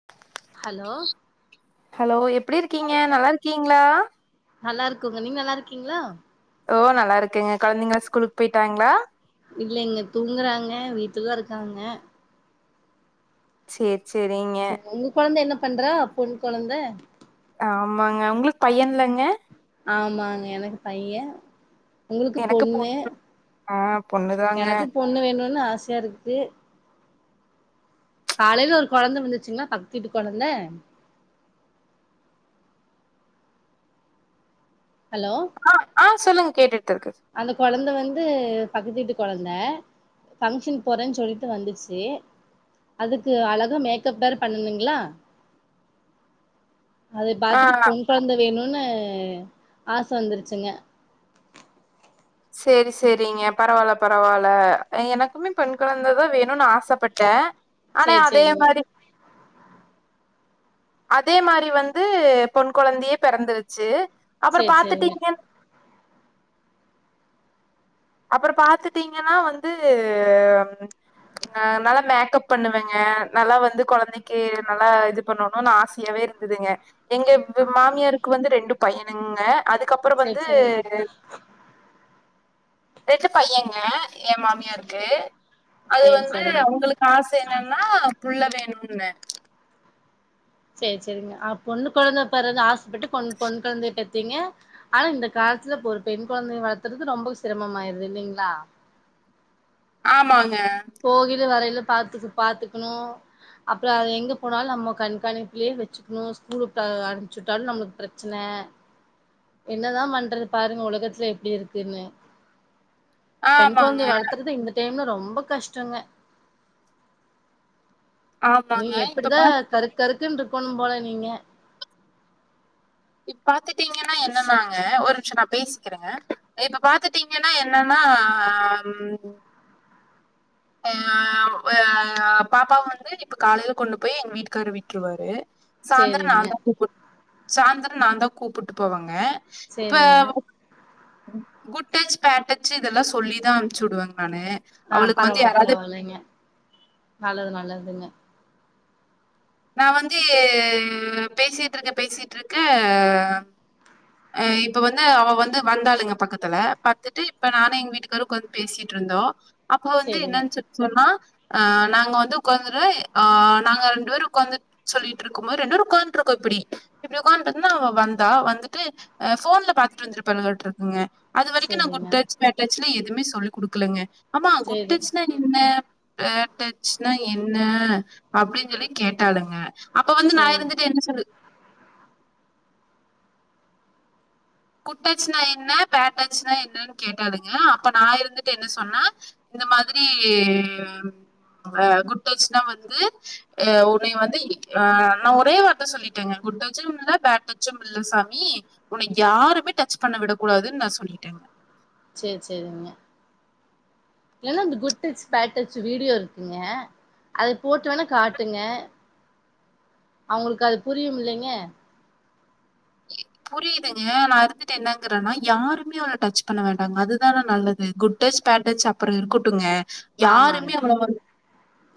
[inaudible] Hello hello எப்டி இருக்கீங்க நல்லா இருக்கீங்ளா நல்லா இருக்கோங்க நீங்க நல்லா இருக்கீங்ளா ஓ நல்லா இருக்கேங்க கொழந்தைங்கள ஸ்கூலுக்கு போயிட்டாங்ளா இல்லங்க தூங்குறாங்க வீட்டுலதா இருக்காங்க சேர் செரிங்க சரி உங்க கொழந்த என்ன பண்றா பொண் குழந்த ஆமாங்க உங்ளுக்கு பையன்லங்க ஆமாங்க எனக்கு பையே உங்களுக்கு பொண்ணு ஆ பொண்ணுதாங்க எனக்கு பொண்ணு வேணுனு ஆசையா இருக்கு காலேல ஒரு குழந்தை வந்துச்சுங்களா பக்கத்து வீட்டு கொழந்த ஹலோ ஆ ஆ சொல்லுங்க கேட்டுட்டு இருக்குது அந்த கொழந்த வந்து பக்கத்து வீட்டு கொழந்த ஃபங்க்ஷன் போறேனு சொல்ட்டு வந்துச்சி அதுக்கு அழகா மேக்கப் வேற பண்ணணுங்ளா அது ஆ பாத்துட்டு பொன் கொழந்த வேணுனு ஆச வந்துருச்சுங்க சேரி சேரிங்க பரவால்ல பரவால்ல எனக்குமே பெண் கொழந்தைதா வேணு ஆசப்பட்டே ஆனா சேரி அதே சேரிங்க மாரி அதே மாரி வந்து பொன் கொழந்தையே பெறந்துருச்சி அப்பறோ சேரி சேரிங்க பாத்துட்டீங்கன் அப்பறோ பாத்துட்டீங்கன்னா வந்து ஆ நல்லா மேக்கப் பண்ணுவேங்க நல்லா வந்து கொழந்தய க்கே நல்லா இது பண்ணணுனு ஆசையாவே இருந்துதுங்க எங்க ப்ப மாமியாருக்கு வந்து ரெண்டு பையனுங்க அதுக்கப்பறோ சேரி வந்து சேரிங்க ரெண்டு பையேங்க எ மாமியாருக்கு அது சேரி வந்து சேரிங்க அவுங்களுக்கு ஆச என்னனா புள்ள வேணும்ப்பே சேர் செரிங்க அ பொண்ணு கொழந்த பெறந்து ஆஸ்ப்பட்டுக்கு பொண் பொண் கொழந்தய பெத் திங்க ஆனா இந்த காலத்துல இப்ப ஒரு பெண் கொழந்தைய வளத்துறது ரொம்ப சிரமமாயிருது இல்லைங்ளா ஆமாங்க போகைல வரைல பாத்துக்கு பாத்துக்கணு அப்பறோ அது எங்க போனாலு நம்ம கண்காணிப்புலே வச்சி இன்னு ஸ்கூலுக்கு அ அம்பிச்சுவிட்டாலு நம்ளுக்கு பிரெச்சன என்னதா பண்றது பாருங்க உலகத்துல எப்டி இருக்குன்னு பெண் ஆமாங்க கொழந்த வளத்துறது இந்த டைம்ல ரொம்ப கஷ்டோங்க நீ ஆமாங்க இப்ப எப்பிடிதா பா கரு கருக்குன்று இருக்கணு போல நீங்க இப் பாத்துட்டீங்கன்னா என்னன்னாங்க ஒரு நிம்ஷோ நா பேசிக்கிறேங்க இப்ப பாத்துட்டீங்கன்னா என்னன்னா ம் ய வ்வ ப பாப்பா வந்து இப்ப காலேல கொண்டு போய் எங்க வீட்டுக்காரு விட்ருவாரு சாந்தர சேரிங்க நாதா கூப்பு சாந்திர நாதா கூப்பிட்டு போவங்க சேரிங்க இப்பவ் குட்டச் பேட்டச் இதெல்லா சொல்லிதா அம்ச்சி விடுவங்க நானு ஆ அவளுக்கு வந்து பரவா ல்ல யாராவது பரவால்லய்ங்க நல்லது நல்லதுங்க நா வந்து பேசிட்ருக்க பேசிட்ருக்க ஆ இப்ப வந்து அவ வந்து வந்தாளுங்க பக்கத்துல பாத்துட்டு இப்ப நானு எங்க வீட்டுக்காரு உக்காந்து பேசிட்ருந்தோ அப்ப வந்து சேரிங்க என்னன் சொல்ட்டு சொல்றா அ நாங்க வந்து உக்காந்துரு ஆ நாங்க ரெண்டு பேரு உக்காந்துட் சொல்லிட்ருக்கு போது ரெண்டு பேரு உக்காந்துட்ருக்கோ இப்பிடி இப்படி உக்கான்ருந்தா அவ வந்தா இப்டி உக்காந்திருந்தா அவ வந்தா வந்துட்டு அ ஃபோன்ல பாத்துட்திருந்திருப்பாலாகான்ட்டு இருக்குங்க அது வரிக்கு நா சேரிங்க குட்டச் டச் பேட்டச்னு எதுமே சொல்லி குடுக்கலங்க அம்மா சேரி குட்டச்னா என்ன பேட்டச்சுன்னா என்ன அப்டின் சொல்லி கேட்டாளுங்க அப்ப வந்து நா சேரி இருந்துட்டு என்ன சொல்லு குட்டச்சுனா என்ன பேட்டச்சுனா என்னன்னு கேட்டாளுங்க அப்ப நா இருந்துட்டு என்ன சொன்ன இந்த மாதிரி அ குட்டச்னா வந்து அ உனை வந்து ஆ நா ஒரே வார்த்த சொல்லிட்டேங்க குட்டச்சும் இல்ல பேட்டச்சும் இல்ல சாமி உன்னை யாருமே டச் பண்ண விடக் கூடாதுன்னு நா சொல்லிட்டேங்க சேர் சேரிங்க எல்லா இந்த குட்டச் பேட்டச் வீடியோ இருக்குங்க அது போட்டு வேணா காட்டுங்க அவுங்களுக்கு அது புரியும் இல்லைங்க எ புரியுதுங்க நான் இருந்துட்டு என்னங்கறேன்னா யாருமே அவளை டச் பண்ண வேண்டாங்க அதுதான நல்லது குட் குட்டச் பேட்டச் அப்பறம் இருக்கட்டுங்க ஆமாங்க யாருமே அவள வந்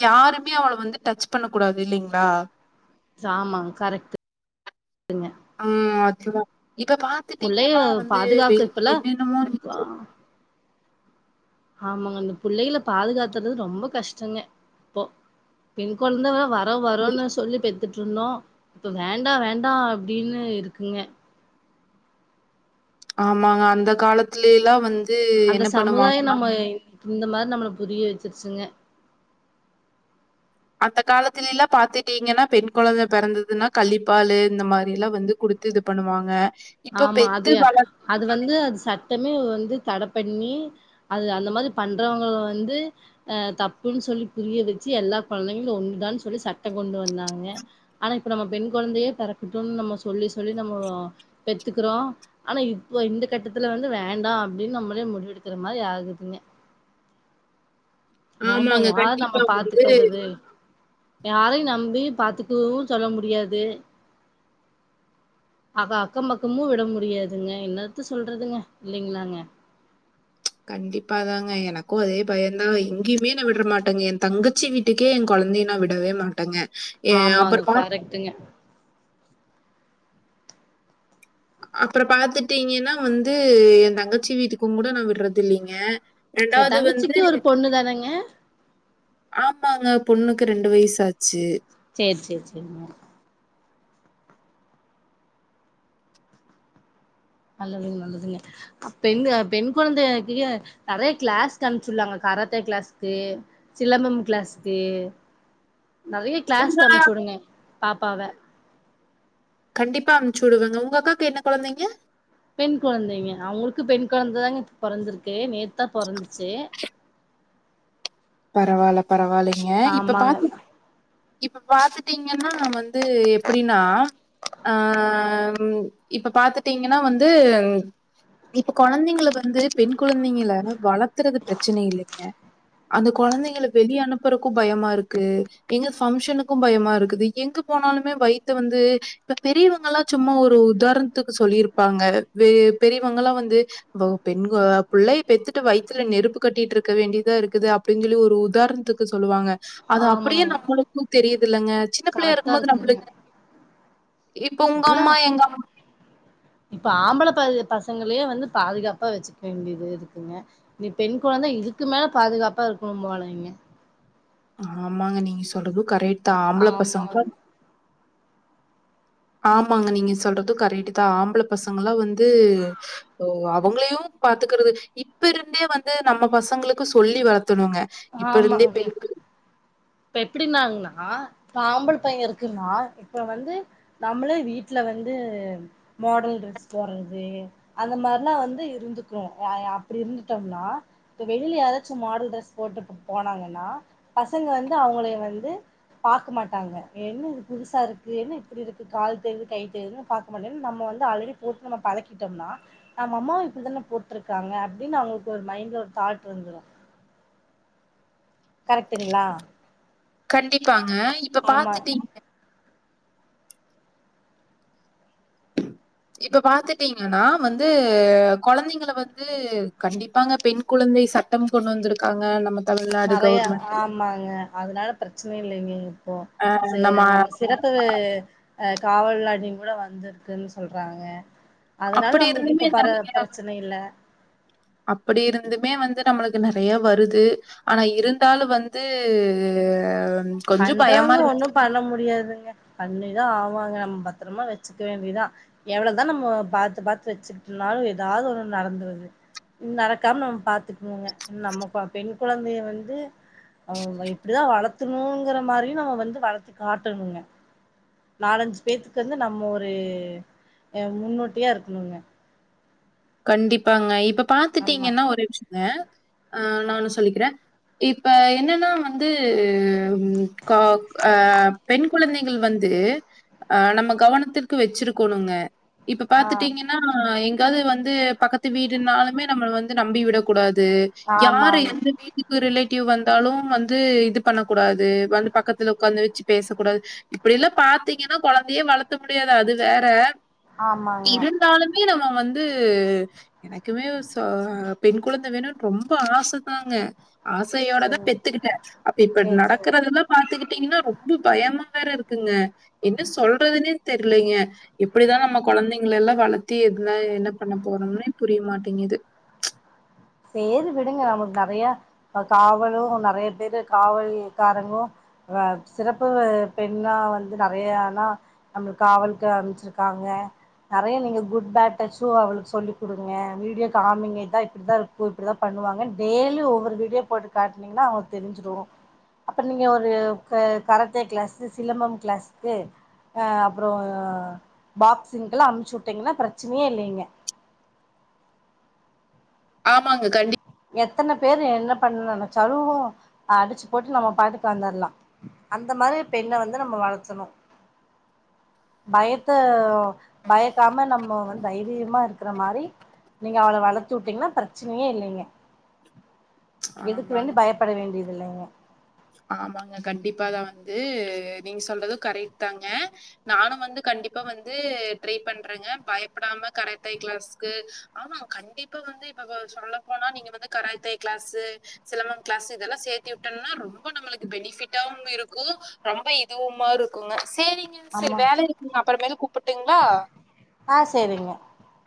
யாருமே அவள வந்து டச் பண்ண கூடாது இல்லைங்களா ஆமா கரெக்ட் ஆ அதுதான் இப்ப புள்ளைய பாத்துட்டீங்கன்னா வந்து பாதுகாக்க வெளிய இப்பல்லா என்னென்னமோ இருந்துச்சு ஆமாங்க இந்த பிள்ளைகளை பாதுகாத்துறது ரொம்ப கஷ்டங்க இப்போ பெண் குழந்தைவரா வர வரும்ன்னு சொல்லி பெத்துட்டு இருந்தோம் இப்ப வேண்டாம் வேண்டாம் அப்டின்னு இருக்குங்க ஆமாங்க அந்த காலத்துலேல்லாம் வந்து அந்த என்ன சமுதாயம் பண்ணுவாங்கனா நம்ம இந்த மார் நம்மள புரிய வச்சிருச்சிங்க அந்த காலத்துலில்லாம் பாத்துட்டீங்கன்னா பெண் குழந்தை பிறந்ததுன்னா கள்ளிப்பால் இந்த மாரில்லாம் வந்து குடு த்து இது பண்ணுவாங்க இப்ப ஆமா பெத்து அதையா வள அது வந்து அது சட்டமே வந்து தட பண்ணி அது அந்த மாரி பண்றவங்கள வந்து அ தப்புன்னு சொல்லி புரிய வச்சு எல்லா குழந்தைங்களும் ஒன்று தான்னு சொல்லி சட்டம் கொண்டு வந்தாங்க ஆனா இப்ப நம்ம பெண் குழந்தையே பிறக்கட்டும்னு நம்ம சொல்லி சொல்லி நம்ம பெத்துக்குறோம் ஆனா இப்ப இந்த கட்டத்துல வந்து வேண்டாம் அப்டின்னு நம்மளே முடிவெடுக்கிற மாரி ஆகுது வேண்டாம் ஆமாங்க. யார் நம்ம கண்டிப்பா வந்து பாத்துக்குறது யாரையும் நம்பி பாத்துக்கவும் சொல்ல முடியாது அவ அக்கம் பக்கமும் விட முடியாதுங்க என்னத்த சொல்றதுங்க இல்லைங்களாங்க கண்டிப்பாதாங்க எனக்கும் அதே பயம்தான் எங்கேயுமே நா விட்ற மாட்டேங்க என் தங்க ச்சி வீட்டுக்கே என் குழந்தைய நா விடவே மாட்டேங்க ஏ ஆமாங்க அப்புறம் பாத் கரெக்ட்டுங்க அப்பறம் பாத்துட்டீங்கன்னா வந்து எ தங்கச்சி வீட்டுக்கும் கூட நான் விடுறது இல்லைங்க செரி தங்கச்சிக்கு ஒரு பொண்ணு தானேங்க ஆமாங்க பொண்ணுக்கு ரெண்டு வயசாச்சு சேர் சேர் சேரிங்க நல்லதுங்க நல்லதுங்க ஆ பெண் பெண் குழந்தைக்கிய நிறைய கிளாஸ் அனுச்சுல்லாங்க காரத்தை கிளாஸ்க்கு சிலம்பம் கிளாஸ்க்கு நறைய உங்க கிளாஸ்க்கு அமிச்சு விடுங்க பாப்பாவ கண்டிப்பா அமுச்சு விடுவாங்க உங்க அக்காவுக்கு என்ன குழந்தைங்க பெண் குழந்தைங்க அவங்களுக்கு பெண் குழந்தை தாங்க பொறந்திருக்கு நேத்தா பொறந்துச்சு பரவாயில்ல பரவாயில்லைங்க இப்ப ஆமாங்க பாத்து இப்ப பாத்துட்டீங்கன்னா வந்து எப்டின்னா அ இப்ப பாத்துட்டீங்கன்னா வந்து இப்ப குழந்தைங்களுக்கு வந்து பெண் குழந்தைங்க வளர்த்துறது பிரச்சனை இல்லைங்க அந்த குழந்தைங்கல வெளியே அனுப்புறக்கும் பயமா இருக்கு எங்க ஃபங்க்ஷனுக்கும் பயமா இருக்குது எங்க போனாலுமே வயித்த வந்து இப்ப பெரியவங்கலா சும்மா ஒரு உதார்ண்த்துக்கு சொல்லிருப்பாங்க வே பெரியவங்கலா வந்து வோ பெண்கோ புள்ளைய பெத்துட்டு வயித்ல நெருப்பு கட்டிட்ருக்க வேண்டிதா இருக்குது அப் அப்டின் சொல்லி ஒரு உதார்ண்த்துக்கு சொல்லுவாங்க அது அப்புடியே ஆமாங்க நம்மளுக்கு தெரிதிலங்க சின்ன பிள்ளையா கரெக்டா இருக்குமோது இருக்குங்க நம்ளுங்க இப்ப உங்க அம்மா எங்க அம்மா இப்போ ஆம்பள பைய்லுக பசங்களே வந்து பாதுகாப்பா வச்சுக்க வேண்டிது இருக்குங்க இனி பெண் குழந்த இதுக்கு மேல பாதுகாப்பா இருக்கணும் போலய்ங்க ஆமாங்க நீங்க சொல்றது கரெட்தா ஆம்பள ஆமாங்க பசங்க ஆமாங்க நீங்க சொல்றது கரெட்டுதா ஆம்பள பசங்கலா வந்து போ அவங்களையு பாத்துக்கறது இப்ப இருந்தே வந்து நம்ம பசங்களுக்கு சொல்லி வளர்த்துணுங்க இப்ப இருந்தே ஆமாங்க பெண்க்கு இப்ப எப்பிடின்னாங்னா ஆம்பள பையன் இருக்குனா இப்ப வந்து நம்மளே வீட்ல வந்து மாடல் ட்ரெஸ் போட்றது அந்த மார்லா வந்து இருந்துக்ணு யா யா அப்டி இருந்துட்டோம்னா இப்ப வெளில யாராச்சு மாடல் ட்ரெஸ் போட்டுட்டு போனாங்கனா பசங்க வந்து அவுங்களே வந்து பாக்க மாட்டாங்க என்ன இது புதுசா இருக்கு என்ன இப்புடி இருக்கு கால் தெரியுது கை தெரியுதுனு பா க்க மாட்டன் நம்ம வந்து ஆல்ரெடி போட்டு நம்ம பழக்கிட்டோம்னா நம்ம அம்மாவு இப்டிதான போட்ருக்காங்க அப்டின் அவுங்குளுக்கு ஒரு மைண்ட்ல ஒரு தாட் வந்துரு கரெக்ட்டுங்களா கண்டிப்பாங்க இப்ப ஆமா பாத்துட்டீங்க இப்ப பாத்துட்டீங்கனா வந்து கொழந்தைங்கல வந்து கண்டிப்பாங்க பெண் குழந்தை சட்டம் கொண்டு வந்திருக்காங்க நமக் நெறையா ஆமாங்க அதுனால பிரச்சனை இல்லைங்க இப்போ சே நம்ம சிறப்பிது அ காவல் அப்டின் கூட வந்திருக்குன் சொல்றாங்க அதுனால அப்படி நம்மளுக்கு இருந்துமே இப்ப பற நெறை பிரச்சன இல்ல அப்படி இருந்துமே வந்து நம்மளுக்கு நெறையா வருது ஆனா இருந்தாலு வந்து கொஞ்சம் பயமா பண்றவ்ங்க ஒன்னு இருக்கு. பண்ண முடியாதுங்க பண்ணிதா ஆவாங்க நம் பத்ரமா வச்சுக்க வேண்டிதா எவுளதா நம்ம பாத்து பாத்து வச்சுக்கிட்ருந்தாலு எதாது ஒன்னு நடந்துருது நடக்காம நம்ம பாத்துக்குவோங்க நம்ம ப பெண் குழந்தைய வந்து அவ்ங்க இப்டிதா வளர்த்தணுங்கிற மாரியு நம்ம வந்து வளர்த்தி காட்டணுங்க நாலஞ்சு பேத்துக்கு வந்து நம்மொரு எ முன்னோட்டியா இருக்கணுங்க கண்டிப்பாங்க இப்ப ஆமா பாத்துட்டீங்கனா ஒரு [inaudible] த ஆ நான் ஒன்னு சொல்லிக்கிற இப்ப என்னனா வந்து ம் கா அ பெண் குழந்தைகள் வந்து அ நம்ம கவனத்திற்கு வச்சிருக்குணுங்க இப்ப ஆ பாத்துட்டீங்கனா எங்யாது வந் து பக்கத்து வீடுனாலுமே நம்ம வந்து நம்பி விடக்கூடாது யாரு ஆமாங்க எந்த வீட் டுக்கு ரிலேட்டிவ் வந்தாலு வந்து இது பண்ண கூடாது வந்து பக்கத்துல உட்காந்து வச்சு பேசக்கூடாது இப்டிலா பாத்தீங்கனா கொழந்தையே வளக்க முடியாது அது வேற ஆமாங்க இருந்தாலுமே நம்ம வந்து து எனக்குமே சோ பெண் குழந்த வேணுன் ரொம்ப ஆசதாங்க ஆசையோடதா செரி பெத்துக்கிட்ட அப்ப இப்ப செரி செரி நடக்கறதெல்லா பாத்துக்கிட்டீங்கனா ரொம்பு பயமா வேற இருக்குங்க என்ன சொல்றதுனே தெர்லைங்க எப்புடிதா நம்ம கொழந்தைங்குலெல்லா வளத்தி எதுனா என்ன எனக்கு ஒன்னுமே புரிய மாட்டேங்குது சேரி விடுங்க நமக்கு நெறையா காவலும் நிறைய பேரு காவல்காரங்களும் ஆ சிறப்பு பெண்ணா வந்து நெறையான்னா நம்ள் காவல்க்கு அன்ப்ச் சிருக்காங்க நெறைய நீங்க குட் பேட் டச்சும் அவளுக்கு சொல்லிக் குடுங்க வீடியோ காமிங்க இதா இப்டிதா இரு டூர் இப்டிதா பண்ணுவாங்க டேய்லியு ஒவ்வொரு வீடியோ போட்டு காட்னீங்கன்னா அவள்க்கு தெரிஞ்சுடும் அப்றோ நீங்க ஒரு க கராத்தே க்ளாஸு சிலம்பம் க்ளாஸ்க்கு ஆ அப்றோ பாக்சிங்க்கெல்லா அமுச்சு வுட்டீங்கன்னா ப்ரச்சனையே இல்லைங்க ஆமாங்க கண்டிப் எத்தன பேரு என்ன பண்ண நெனச்சாலு அடிச்சு போட்டு நம்ம பாட்டுக்கு வந்துர்லாம் அந்த மாரி பெண்ண வந்து நம்ம வளத்தணு பயத்த பயக்காம நம்ம வந்து தைரியமா இருக்குற மாரி நீங்க அவள வள‌த்து வுட்டீங்கன்னா ப்ரச்சனையே இல்லைங்க எதுக்கு ஆமாங்க. வந்து பயப்பட வேண்டியதுல்லைங்க ஆமாங்க கண்டிப்பா தான் வந்து நீங்க சொல்றதும் கரெக்ட் தாங்க நானு வந்து கண்டிப்பா வந்து ட்ரை பண்றேங்க பயப்படாம கராத்தே கிளாஸ்க்கு ஆமா கண்டிப்பா வந்து இப்ப சொல்ல போனா நீங்க வந்து கராத்தே கிளாஸூ சிலம்பம் கிளாஸ் இதெல்லாம் சேத்தி வுட்டன்னா ரொம்ப ரொம்ப நம்மளுக்கு பெனிஃபிட்டாவு இருக்கும் ரொம்ப இதுவுமா இருக்குங்க சேரிங்க சரி ஆமா வேல இருக்கு அப்றோ மேல கூப்ட்டுங்களா ஆ சேரிங்க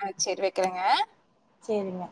ஆ சேரி வக்கிறேங்க சேரிங்க